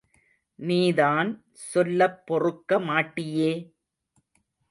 நீதான் சொல்லப் பொறுக்க மாட்டியே!